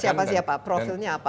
siapa siapa profilnya apa